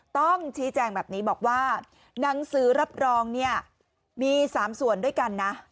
ต้องชี้แจงแบบนี้บอกว่าหนังสือรับรองเนี่ยมี๓ส่วนด้วยกันนะ